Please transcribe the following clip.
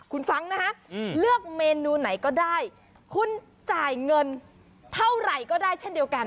คุณฟังนะฮะเลือกเมนูไหนก็ได้คุณจ่ายเงินเท่าไหร่ก็ได้เช่นเดียวกัน